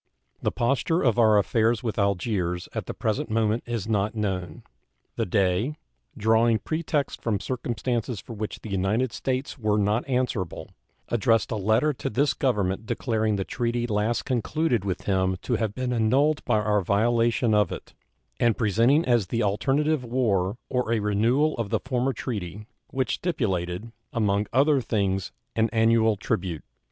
The posture of our affairs with Algiers at the present moment is not known. The Dey, drawing pretexts from circumstances for which the United States were not answerable, addressed a letter to this Government declaring the treaty last concluded with him to have been annulled by our violation of it, and presenting as the alternative war or a renewal of the former treaty, which stipulated, among other things, an annual tribute.